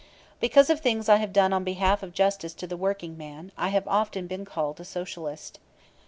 Because of things I have done on behalf of justice to the workingman, I have often been called a Socialist.